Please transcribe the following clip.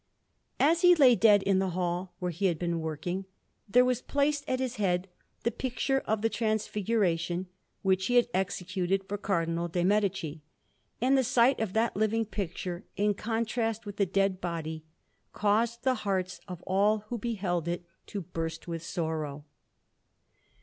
As he lay dead in the hall where he had been working, there was placed at his head the picture of the Transfiguration, which he had executed for Cardinal de' Medici; and the sight of that living picture, in contrast with the dead body, caused the hearts of all who beheld it to burst with sorrow.